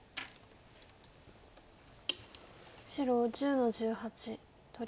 白１０の十八取り。